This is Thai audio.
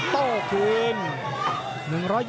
โต้คืน